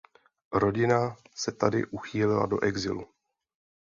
Rodina se tedy uchýlila do exilu.